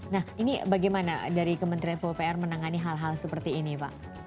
nah ini bagaimana dari kementerian pupr menangani hal hal seperti ini pak